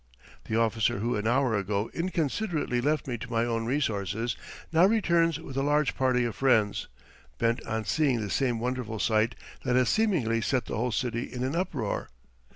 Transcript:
The officer who an hour ago inconsiderately left me to my own resources, now returns with a large party of friends, bent on seeing the same wonderful sight that has seemingly set the whole city in an uproar.